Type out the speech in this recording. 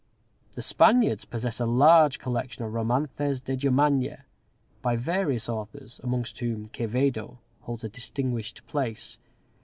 The Spaniards possess a large collection of Romances de Germania, by various authors, amongst whom Quevedo holds a distinguished place.